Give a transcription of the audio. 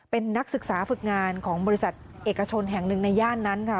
เป็นนักศึกษาฝึกงานของบริษัทเอกชนแห่งหนึ่งในย่านนั้นค่ะ